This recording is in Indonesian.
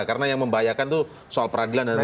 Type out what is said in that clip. karena yang membahayakan itu soal peradilan dan lain lain